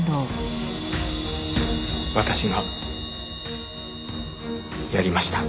私がやりました。